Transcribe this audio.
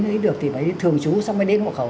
thì được thì phải thường trú xong mới đến hộ khẩu